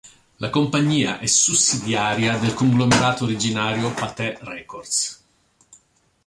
La compagnia è sussidiaria del conglomerato originario Pathé Records.